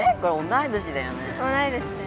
同い年だよね。